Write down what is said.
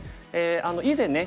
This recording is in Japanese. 以前ね